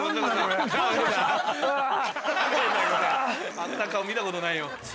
あんな顔見たことないよ。